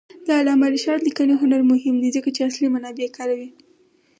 د علامه رشاد لیکنی هنر مهم دی ځکه چې اصلي منابع کاروي.